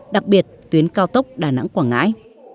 đặc biệt tuyến cao tốc đà nẵng quảng ngãi